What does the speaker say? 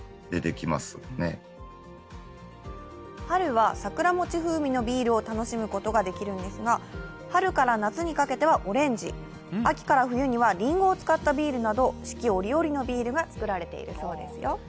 春は桜餅風味のビールを楽しむことができるんですが、春から夏にかけてはオレンジ、秋から冬にはりんごを使ったビールなど四季折々のビールが造られているそうですよ。